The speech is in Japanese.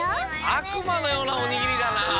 あくまのようなおにぎりだな。